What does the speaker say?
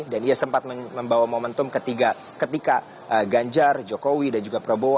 dan ia sempat membawa momentum ketika ganjar jokowi dan juga prabowo